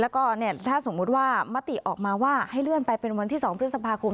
แล้วก็ถ้าสมมุติว่ามติออกมาว่าให้เลื่อนไปเป็นวันที่๒พฤษภาคม